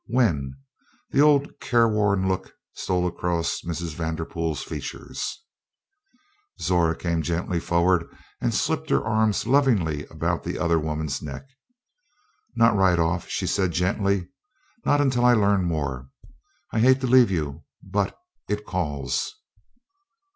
"When?" The old careworn look stole across Mrs. Vanderpool's features. Zora came gently forward and slipped her arms lovingly about the other woman's neck. "Not right off," she said gently; "not until I learn more. I hate to leave you, but it calls!"